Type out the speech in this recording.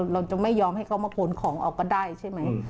เราจะไม่ยอมให้เขามาขนของออกก็ได้ใช่ไหม